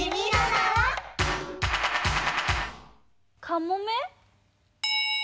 カモメ？